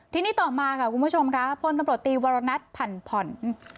ทีนี้ต่อมาค่ะคุณผู้ชมค่ะพลตำรวจตีวรณัฐผันผ่อน